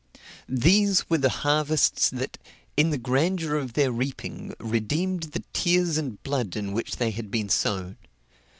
These were the harvests that, in the grandeur of their reaping, redeemed the tears and blood in which they had been sown.